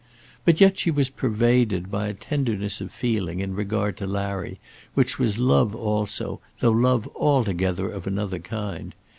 But yet she was pervaded by a tenderness of feeling in regard to Larry which was love also, though love altogether of another kind.